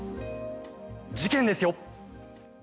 事件ですよ。